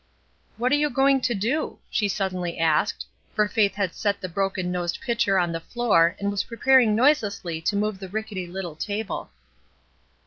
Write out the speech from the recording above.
"What are you going to do?" she suddenly asked, for Faith had set the broken nosed pitcher on the floor and was preparing noiselessly to move the rickety little table.